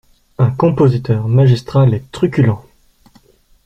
… un compositeur magistral et truculent !